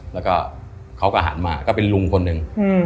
แล้วก็เขาก็หันมาก็เป็นลุงคนหนึ่ง